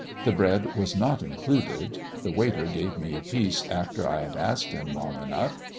The bread was not included. The waiter gave me a piece after I had asked him long enough.